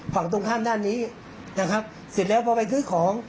ฝั่งตรงข้ามด้านนี้นะครับเสร็จแล้วพอไปซื้อของ